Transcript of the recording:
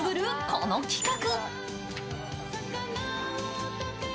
この企画。